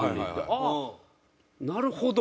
ああなるほど！と。